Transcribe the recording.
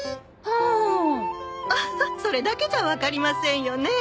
オホッそれだけじゃわかりませんよね。